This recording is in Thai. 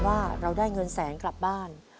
ตัวเลือกที่๔ขึ้น๘ค่ำเดือน๗